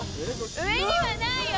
上にはないよ